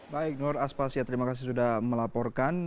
baik nur aspasya terima kasih sudah melaporkan